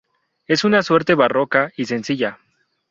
Es una suerte barroca y sencilla.